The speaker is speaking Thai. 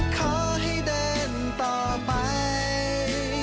ขอให้เดินต่อไป